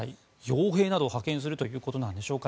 傭兵などを派遣するということなんでしょうか。